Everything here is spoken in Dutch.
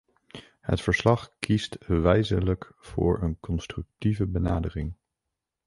Het verslag kiest wijselijk voor een constructieve benadering.